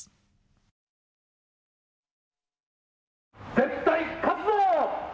絶対勝つぞ。